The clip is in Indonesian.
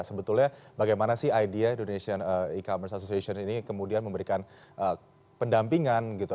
sebetulnya bagaimana sih idea indonesian e commerce association ini kemudian memberikan pendampingan gitu